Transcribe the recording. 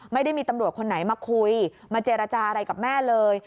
ไม่ได้มีตำรวจคนไหนมาคุยมาเจรจาอะไรกับแม่เลย